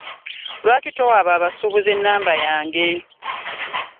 Lwaki towa abo abasuubuzi enamba yange?